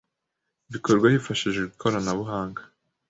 bikorwa hifashishijwe ikoranabuhanga,